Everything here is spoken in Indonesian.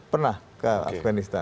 pernah ke afghanistan